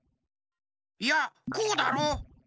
いやこうだろ。